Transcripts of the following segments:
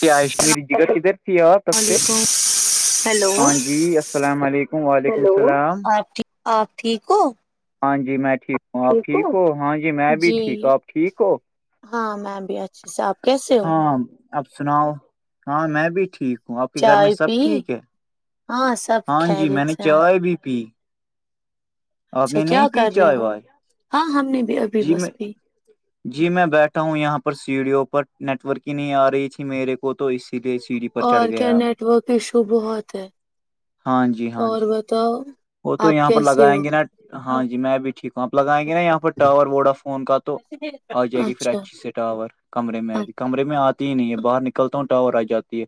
کیاش میری السلام جگ ادھر تھی آپ تب سے علیکم ہیلو ہاں جی السلام علیکم وعلیکم السلام آپ آپ ٹھیک ہو ہاں جی میں ٹھیک ہوں آپ ٹھیک ہاں جی میں بھی ٹھیک ہوں آپ ٹھیک ہو ہاں میں بھی اچھے سے آپ کیسے ہو ہاں اب سناؤ ہاں میں بھی ٹھیک آپ کے گھر میں چائے پی سب ٹھیک ہے ہاں سب ہاں جی میں خیریت نے سے ہیں چائے بھی پی آپ اچھا نے کیا نہیں پی کر رہے چائے ہو وائے ہاں ہم نے بھی ابھی جی بس میں بھی جی میں بیٹھا ہوں یہاں پر سیڈیو پر نیٹ ورک ہی نہیں آ رہی تھی میرے کو تو اسی لیے سیڑھی پر چڑھ اور کیا گیا نیٹ ورک ایشو بہت ہے ہاں جی ہاں اور جی بتاؤ وہ تو آپ یہاں پر کیسے ہو لگائیں گے نا ہاں جی میں بھی ٹھیک ہوں آپ لگائیں گے نا یہاں پر ٹاور ووڈا فون کا تو آ جائے گی پھر اچھا اچھی سی ٹاور کمے میں ابھی کمرے میں آتی ہی نہیں ہے باہر نکلتا ہوں ٹاور آ جاتی ہے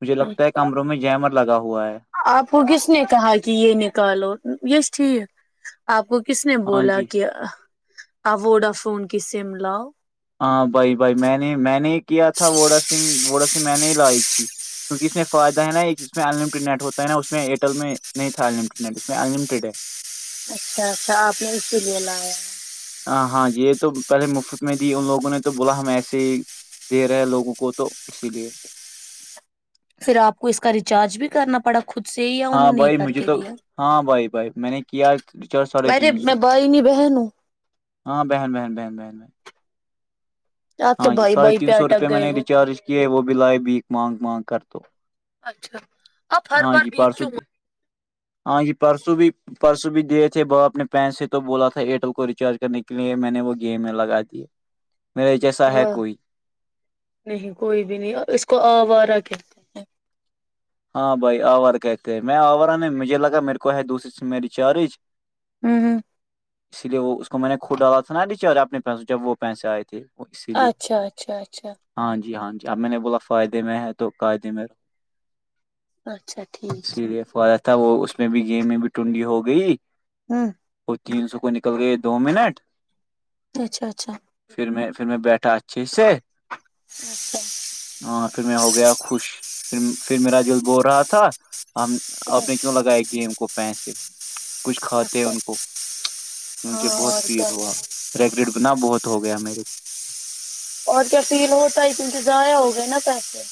مجھے لگتا ہے اچھا کمروں میں جمر لگا ہوا ہے آپ کو کس نے کہا کہ یہ نکالو یہس ٹھیک آپ کو کس نے ہاں بولا جی کہ اووڈا فون کی سم لاؤ ہاں بھائی بھائی میں نے میں نے ہی کیا تھا وا سم ووڑا سم میں نے ہی لائی تھی کیونکہ اس میں فائد ہے نا ایک اسس میں ان لٹڈ نٹ ہوتا ہے ن اس میں ا ایئرٹیل میں نہیں تھا ان لڈ نٹ اس میں ان لٹیڈ ہے اچھا اچھا آپ نے اس کے لیے لایا ہاں ہاں یہ تو پہلے مفت میں ت ان لوگوں نے تو بولا ہم ایسے ہی دے رہے ہیں لوگوں کو تو اسی لیے پھر آپ کو اس کا ریچارج بھی کرنا پڑا خود سے ہی یا ہاں انہوں نے بھائی کر مجھے کے تو دیا ہاں بھائی بھائی میں نے کیا ر چار ساڑھے ارے تین سو میں بھائی نہیں بہن ہوں ہاں بہن بہن بہین بہ آپ تو ہاں جی بھائی ساڑھے بھائی پہ تین سو اٹک روپے میں گئے نے ہو ریچارج کیاے ہے وہ بھی لائے بھی مانگ مانگ کر تو اچھا آپ ہر ہاں بار جی بیچ پرسوں کیوں ہاں جی پرسوں بھی پرسوں بھی دیے تھے باپ نے پین سے تو بولا تھا ایئرٹیل کو ریچارج کرنے کے لیے میں نے وہ گیم میں لگا دیے میں واہ نہیں کوئی بھی نہیں اس کو آو آ رہا کہ ہاں بھائی آورا کہتے میں آورہ نہیں مجھے لگا میرے کو ہے دوسری سے میری چارج ہوں اسی لیے وہ اس کو میں نے کود ڈالا تھا نا بیےارےنے پسوں سے جب وہ پیسے آئے تھے اسی لیے اچھا اچھا اچھا ہاں جی ہاں آم میں نے بولا فائدے میں ہے تو قاعدے میر اچھا ٹھیک ہے سیریفا تھا وہ اس میں بھی گیہ میں بھی ٹنڈی ہو گئی ہوں اور تین سو کو نکل گئے دو منٹ اچھا اچھا اچھا پھر میں پھر میں بیٹھا اچھے سے ہاں پھر میں ہو گیا خوش پھر پھر میرا دلد بو رہا تھا ہم آپ نے کیوں لگاائے گیم کو پیسے کچھ کھاتے ہیں اچھا ان کو مجھے ہاں بہت اور کیا فیل ہوا ریگ رڈ بنا بہت ہو گیا میرے کو اور کیا فیل ہوتا ہے ان سے ضائع ہو گئے نا پیسے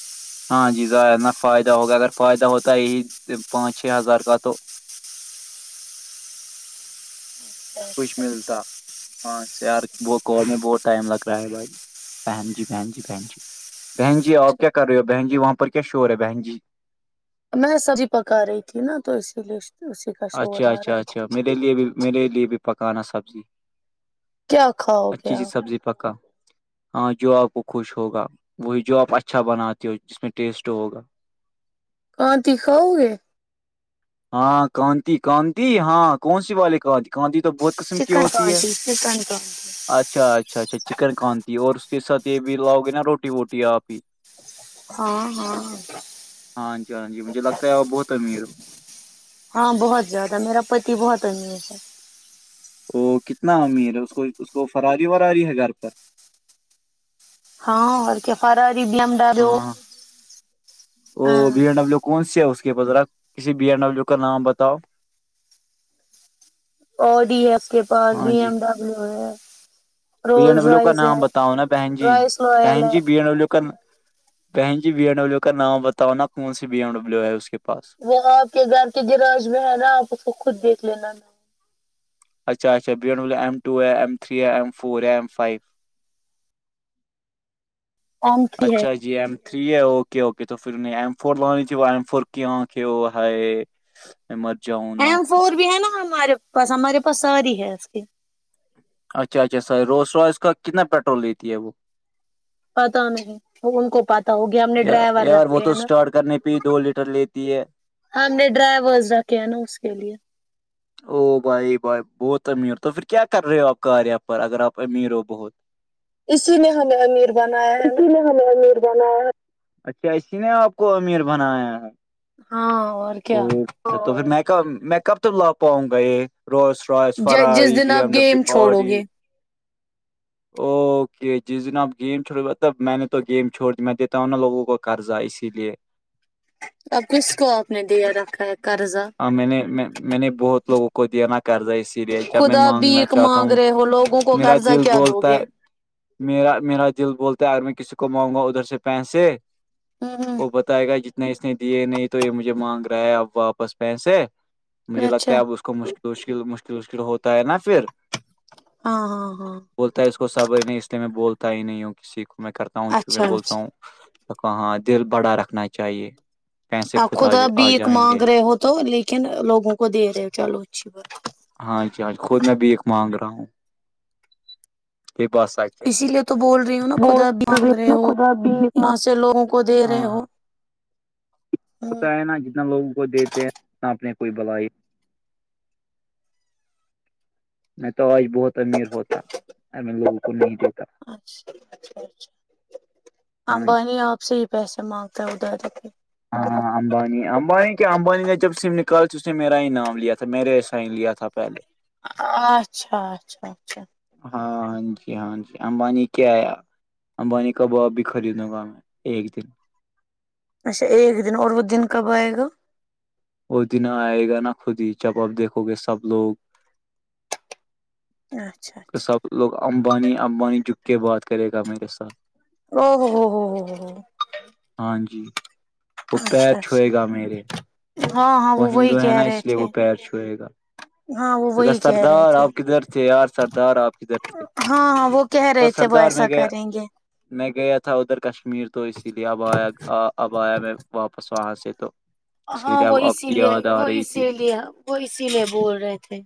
ہاں جی ظرا فائدہ ہوگا اگر فائدہ ہوتا ہے یہی پانچ چھ ہزار کا تو کچھ ملتا ہاں سے یار ب ک میں بہت ٹائم لگ رہا ہے بھائی بہن جی بہن جی بہن جی بہن جی اچھا آپ کیا کر رہے ہو بہن جی وہاں پر کیا شور ہے بہن جی میں سبزی پکا رہی تھی نا تو اسی لیے اسی کا شور اچھا آ رہا اچھا ہے اچھا میرے لیے بھی میرے لیے بھی پکانا سبزی کیا کھاؤ گے اچھی سی آپ سبزی پکا ہاں جو آپ کو خوش ہوگا وہی جو آپ اچھا بناتے ہو جس میں ٹیسٹ ہوگا کواں کاؤ گے ہاں کانتی کانتی ہاں کون سی والی کہتی گاندھی تو بہت قسم کی چکن ہوتی ہے کانٹی چکن کانٹی اچھا اچھا اچھا چکن کاانتی اور اس کے ساتھ یہ بھی لاؤ گے نا روٹی ووٹی آپ ہی ہاں ہاں ہاں جی ہاں جی مجھے لگتا ہے وہ بہت امیر ہاں بہت زیاد میرا پتی بہت امی ہے وہ کتنا امیر ہے اس کو اس کو فراری وراری ہے گھر پر ہاں اور کیا فارا ربم ڈارو ا بی ایین ڈبلو کون سے ہے اس کے پ ذرا کسی بی ایین ڈبلو کا نام بتاؤ اور ڈ ہی ہے کے پاس ہاں بی جی ایم ڈبلیو ہے بی ایین رولس ڈبلو کا رائس ہے نام بتاؤ نا بہن جی رائس رائل بہن ہے جی بی ایین ڈبلو کا بہن جی بی ایم ڈبلو کا نام بتانا کون سی بی ایم ڈبلو ہے اس کے پاس وہ آپ کے گھر کے گراج میں ہے نا آپ اس کو خود دیکھ لینا نا اچھا اچھا [inaudible] ایم ٹو ہے ایم تھری ایم فور ہے ایم فایب [inaudible] ایم تھری ہے اچھا جی ایم تھری ہے اوکے اوکے تو پھر نہیں ایم فور بنانی [inaudible] چاہے وہ ایم فور کیوں کیوں ہاے میں مر جاؤں [inaudible] ایم فور پر بھی ہے نا ہمارے پاس ہمارے پاس ساری ہے اس کی اچھا اچھا روز سوا [inaudible] اس کا کتنا پیٹرول لیتی ہے وہ پتا نہیں ان کو پت [unintelligible] یار یار وہ تو اسٹارٹ کرنے پہ ہی دو لیٹر لیتی ہے ہم نے ڈرائیورس رکھے ہے نا اس کے لیے او بھائی بھائی بہت امیر ہو تو پھر کیا کر رہے ہو آپ کار پر اگر آپ امیر ہو بہت اسی نے ہمیں امیر بنایا ہے نا اسی نے امیر بنایا اچھا اسی نے آپ کو امیر بنایا ہے ہاں اور کیا [unintelligible] [inaudible] تو پھر میں کب میں کب تک لا پاؤں گا یہ روز ف [inaudible] اس جس فراری دن بی ایم آپ گیم ڈبلیو چھوڑو فوری گے [inaudible] کہ جس دن اپ گیم چھوڑ گے تو [inaudible] میں نے تو گیم چھوڑ میں دیتا ہوں نا لوگوں کو قرضہ اسی لیے اب کس کو آپ نے دیا رکھا ہے قرضہ ہاں میں نے میں نے بہت لوگوں کو کو دینا کرضہ اسی لیے جب میں خدا مانگنا بھیک چاہتا مانگ ہوں رہے ہو لوگوں کو میرا قرضہ دل کیا بولتا ہے [inaudible] میرا میرا دل بولتا ہے اگر میں کسی کو مانؤ گا ادھر سے پیسے ہوں ہ وہ بتائے گا جتنے اس نے دیے نہیں تو یہ مجھے مانگ رہا ہے اب واپس پیسے مجھے اچھا لگتا ہے اب اس کو مشکل مشکل مشکل مشکل ہوتا ہے نا پھر ہاں ہاں ہاں بولتا ہے اس کو صبر ہی نہیں اس لیے میں بولتا ہی نہیں ہوں کسی کو میں کرتا ہوں میں اچھا [inaudible] بولتا ہوں اچھا کہا دل بڑا رکھنا چاہیے پیسے اپ آ خود آ بھک جائیں مانگ گے رہے ہو تو لیکن لوگوں کو دے رہے ہو چلو اچھی بات ہاں جج [inaudible] خود میں بھی ایک مانگ رہا ہوں یے بات سچ ہے اسی لیے تو بول رہی ہوں نا خدا بھیک مانگ رہے ہو یہاں سے لوگوں کو دے رہے [unintelligible] [inaudible] ہو ہوتا ہے نا جتنا لوگوں کو دیتے ہیں انا اپنے کوئی بلائی میں تو آج بہت امیر ہوتا ا میں لوگوں کو نہیں دیتا اچ [inaudible] اچھا [inaudible] ہاں جی امبانی آپ سے ہی پیسے مانگتا ہے اودھاری ہاں ہاںاں [inaudible] امبانی امبانی کیا امبانی نے جب سم نکال [inaudible] اس نے میرا ہی نام لیا تھا میرے ہی سائن لیا تھا پہلے اچھا اچھا اچھا ہاں ہاں جی ہاں جی امبانی کیا ہے امبانی کاباب [inaudible] بھی خریدوں گا میں ایک دن اچھا ایک دن اور وہ دن کب آئے گا وہ دن آئے گا نا خود ہی جب آپ دیکھو گے سب لوگ اچھا اچھا سب لوگ امبانی امبانی جک کے بات کرے گا میرے ساتھ او ہو ہو ہو ہو ہاں جی وہ پیر اچھا چھوئے اچھا گا میرے ہاں ہاں وہ وہی ہندو ہے کہہ نا رہے اس لیے تھے وہ پیر چھوئے گا ہاں وہ تو وہی کہہ رہے سردار تھے آپ کدھر تھے یار سردار آپ کدھر تھے ہاں ہاں وہ کہہ تو رہے تھے وہ سردار میں ایسا گیا کریں گے میں گیا تھا ادھر کشمیر تو اسی لیے اب آیا اب آیا میں واپس وہاں سے تو اس ہاں لیے وہ اب آپ اسی کی لیے یاد آ وہ رہی اسی تھی لیے وہ اسی لیے بول رہے تھے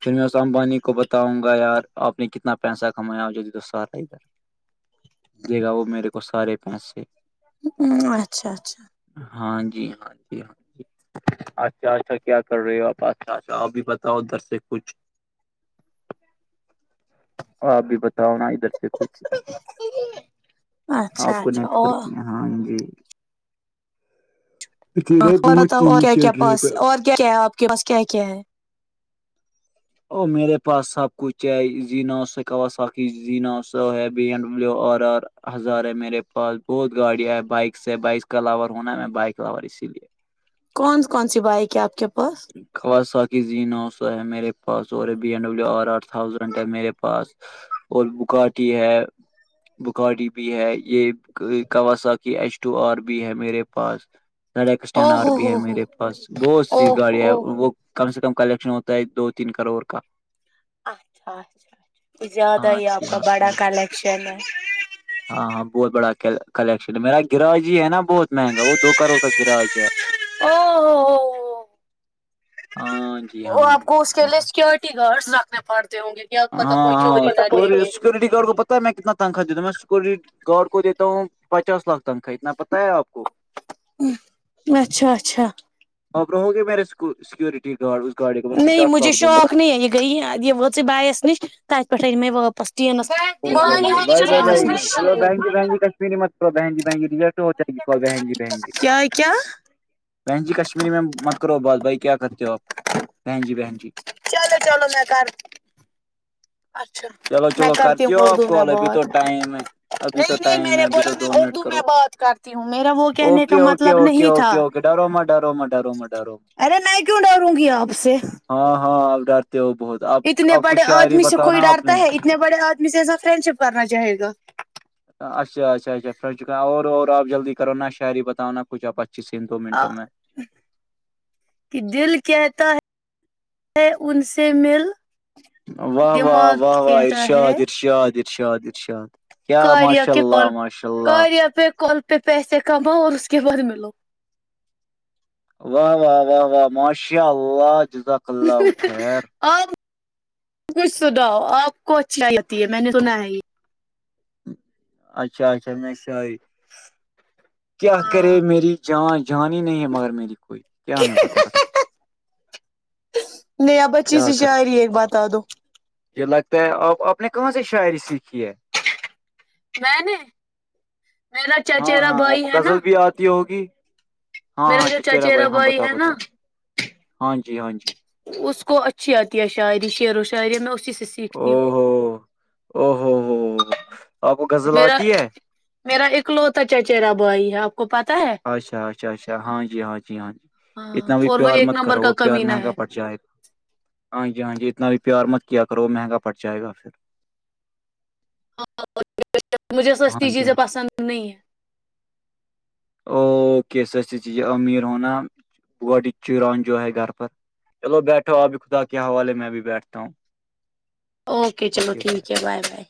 پھر میں اس امبانی کو بتاؤں گا یار آپ نے کتنا پیسہ کمایا یہ دے دو سارا ادھر [inaudible] دے گا وہ میرے کو سارے پیسے اچھا اچھا ہاں جی ہاں جی ہاں جی اچھا اچھا کیا کر رہے ہو آپ اچھا اچھا اب بھی بتاؤ ادھر سے کچھ [inaudible] آپ بھی بتاؤ نا ادھر سے کچھ اچھا آپ کو اچھا نیٹ ورک اور میں۔ ہاں جی اسی لیے اور بہت بتاؤ اور نیند کیا چڑ کیا رہی ہے ابی پاس اور کیا کیا ہے آپ کے پاس کیا کیا ہے میرے پاس سب کچھ ہے ن سےا ساکی نو ہے بی ڈو آر آر ہزار ہے میرے پا بہت گاڑیاں ہیں بائک سے بائک کا لاور ہونا میں بائک لاور اسی لیے کون کون سی بائک ہے آپ کے پاس خاکیین سو ہے میرے پاس اور بیین بی ام دبلو آر آر تھازینڈ ہے میرے پاس اور بکاٹی ہے بکاٹی بھی ہے یہ Kawasaki H two R بھی ہے میرے پاس سا او ایکٹینر ہو بھی ہو ہے ہو میرے پاس او سی گاڑیاں ہے ہو وہ کم سے کم کلیکشن ہوتا ہے دو تین کروڑ کا اچھا اچھا کچھ زیادہ ہاں ہی آپ جی کا ہاں بڑا جی کلیکشن ہے ہاں ہاں بہت بڑا کلیکشن ہے میرا گریز ہی ہے نا بہت مہنگا وہ دو کروڑ کا گریز او ہاں جی وہ آپ کو اس کے لیے سیکورٹی گارڈس رکھنے پڑتے ہوں گے کیا پتا ہاں کوئی ہاں چوری نہ لے لے سکورٹی گارڈ کو پتا ہے میں کتنا تنخا دیتا ہوں میں سورٹی گارڈ کو دیتا ہوں پچاس لاکھ تنکھا پتا ہے آپ کو اچھا اچھا آپ رہو گے میرے سکورٹی گارڈ اس گاڑی کو میں پچاس لاکھ دوں گا گ یہ وات بائییس نش تت پھ آ میں واپس ج نس بائی بائے بائی بک بک ت بہنی بہنی ریلٹ ہو جائے گ کو بہنی بہنی کیا کیا بہن جی کشمیری میں مت کرو بات بھائی کیا کرتے ہو آپ بہن جی بہن جی چلو چلو میں کر اچھا چلو میں چلو کرتی ہوں ہو اردو آپ میں کال ابھی بات تو ٹائم ہے ابھی تو نہیں نہیں میں ٹائم نے ہے ابھی بولا تو میں دو منٹ اردو میں کرو بات کرتی ہوں میرا وہ کہنے کا اوکے اوکے مطلب اوکے نہیں تھا اوکے اوکے ڈرو مت ڈرو مت ڈرو مت ڈرو ارے میں کیوں ڈروں گی آپ سے ہاں ہاں آپ ڈرتے ہو بہت اب اتنے اب بڑے کچھ شعاری آدمی سے کوئی بتانا آپ ڈرتا نے ہے اتنے بڑے آدمی سے ایسا فرینڈ شپ کرنا چاہ گا اچھا اچھا اچھا ف چ اور آپ جلدی کرو نہا شعری بتاؤ نہ کچھپ اچھا اچیس دو منٹوں میں ج [unintelligible] [inaudible] کہ دل کہتا ہے ہے ان سے مل واہ واہ دماغ واہ واہ کہتا ارشاد ہے ارشاد ارشاد ارشاد کیا کاریا ماشاء کے کال اللہ ماشاء اللہ کاریا پہ کال پہ پیسے کماؤ اور اس کے بعد ملو واہ واہ واہ واہ ماشاء اللہ جزاک اللہ خیر آپ کچھ سناؤ آپ کو اچھائی لتی ہے میں نے سنا ہے یہ اچھا اچھا میںش کیا کرے ہاں میری جانچ جانی ہی نہیں ہے مگر میری کوئی میں بتا رہا ہوں نہیں اب بچی کیا سے کرتے شاریی ایک ہو آپ بات آ دو یہ لگتا ہے آپ آپ نے کہاں سے شاعری سیکھی ہے میں نے میرا ہاں چچیرا ہاں اپ بھائی ہے نا غزل بھی آتی ہوگی ہاں میرا ہاں جو چچرا بھائی چچیرا ہاں بتاؤ ہے نا بتاؤ ہاں جی ہاں جی اس کو اچھی آتی ہے شاعری شعر و شاعری میں اسی سے او سیکھتی ہوں ہو او ہو ہو ہو۔ آپ کو غزل میرا آتی ہے میرا اکلوتا چاچا بوائی ہے آ کو پتا ہے اچھا اچھا اچھا ہاں جی ہاں جی ہاں جی ہاں اتنا بھی اور وہ پیار ایک مت نمبر کرو کا وہ پیار کمینہ مہنگا ہے پڑ جائے گا ہاں جی ہاں جی اتنا بھی پیار مت کیا کرو مہنگا پٹ جائے گا پھر مجھے ہاں سستی جی چیزیں ہاں پسند نہیں ہیں اوکے سچی چی ہے امیر ہونا چان جو ہے گھر پر چلو بیٹھو آبھی خدا کے حوالے میں بھی بیٹھتا ہوں اوکے چلو ٹھیک ہے بائے بائے